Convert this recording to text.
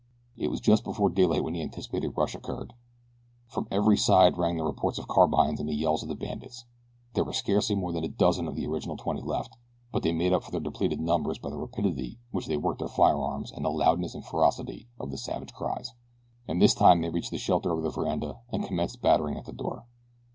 It was just before daylight that the anticipated rush occurred. From every side rang the reports of carbines and the yells of the bandits. There were scarcely more than a dozen of the original twenty left; but they made up for their depleted numbers by the rapidity with which they worked their firearms and the loudness and ferocity of their savage cries. And this time they reached the shelter of the veranda and commenced battering at the door.